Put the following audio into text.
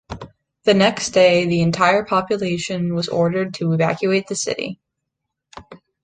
The next day, the entire population was ordered to evacuate the city.